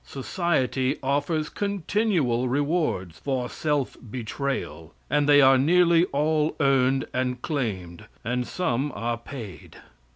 Society offers continual rewards for self betrayal, and they are nearly all earned and claimed, and some are paid.